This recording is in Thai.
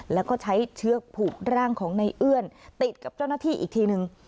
แล้วก็ใช้เชือกผูกร่างของในเอื้อนติดกับเจ้าหน้าที่อีกทีนึง